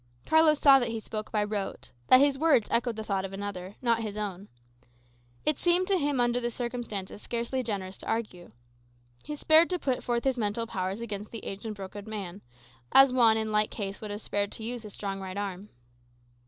Carlos saw that he spoke by rote; that his words echoed the thought of another, not his own. It seemed to him, under the circumstances, scarcely generous to argue. He spared to put forth his mental powers against the aged and broken man, as Juan in like case would have spared to use his strong right arm.